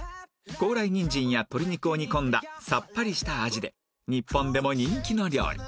高麗人参や鶏肉を煮込んださっぱりした味で日本でも人気の料理